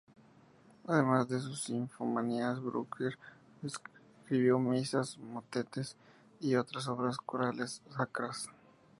Además de sus sinfonías, Bruckner escribió misas, motetes, y otras obras corales sacras.